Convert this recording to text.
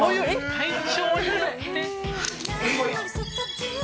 体調によって？